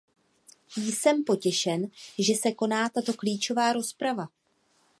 Jsem potěšen, že se koná tato klíčová rozprava.